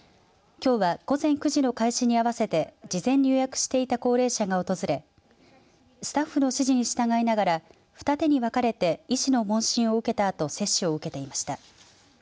きょうは午前９時の開始に合わせて事前に予約していた高齢者が訪れスタッフの指示に従いながら二手に分かれて医師の問診を受けたあと接種を受けていました。